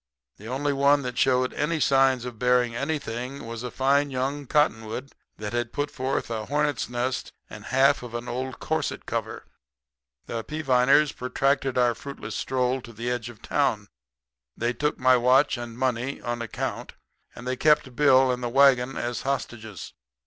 The only one that showed any signs of bearing anything was a fine young cottonwood that had put forth a hornet's nest and half of an old corset cover. "The Peaviners protracted our fruitless stroll to the edge of town. They took my watch and money on account; and they kept Bill and the wagon as hostages.